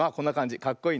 かっこいいね。